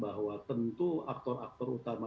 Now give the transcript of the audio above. bahwa tentu aktor aktor utama